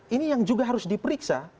ini yang juga harus diperiksa